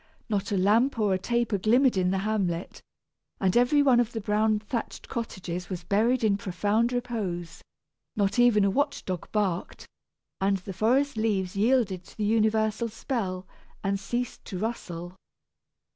Not a lamp or a taper glimmered in the hamlet, and every one of the brown thatched cottages was buried in profound repose. Not even a watch dog barked; and the forest leaves yielded to the universal spell, and ceased to rustle.